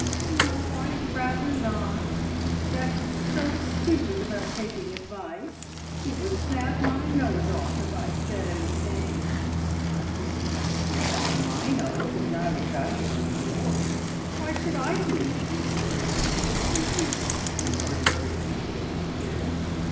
"No, I'd rather not. Jack is so stupid about taking advice. He would snap my nose off if I said anything." "I really don't see why my nose is not as valuable as yours! Why should I do your disagreeable work for you?" retorted Bridgie with spirit.